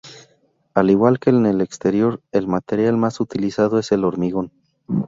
Al igual que en el exterior el material más utilizado es el hormigón.